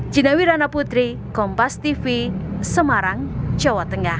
cina wirana putri kompas tv semarang jawa tengah